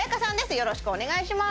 よろしくお願いします